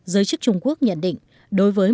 giới chức trung quốc nhận định đối với